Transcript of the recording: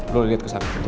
lo liat kesana